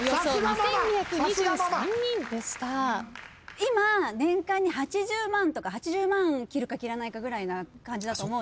今年間に８０万とか８０万切るか切らないかぐらいな感じだと思うんですよ。